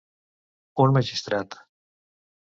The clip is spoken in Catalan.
Un magistrat.